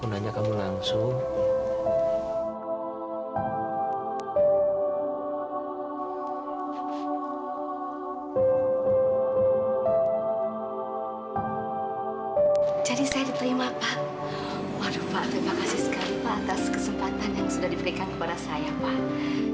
atas kesempatan yang sudah diberikan kepada saya pak